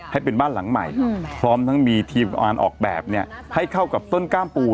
ให้เป็นบ้านหลังใหม่พร้อมทั้งมีทีมงานออกแบบเนี่ยให้เข้ากับต้นกล้ามปู